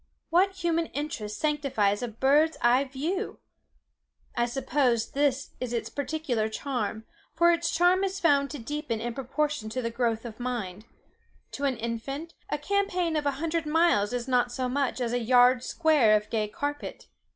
What human interest sanctifies a bird's eye view! I suppose this is its peculiar charm; for its charm is found to deepen in proportion to the growth of mind. To an infant, a champaign of a hundred miles is not so much as a yard square of gay carpet.